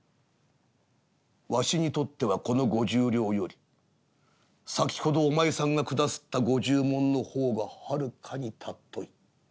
「わしにとってはこの五十両より先ほどお前さんが下すった五十文の方がはるかに貴い。